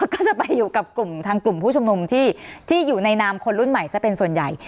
ก็จะไปอยู่กับกลุ่มทางกลุ่มผู้ชุมนุมที่อยู่ในนามคนรุ่นใหม่ซะเป็นส่วนใหญ่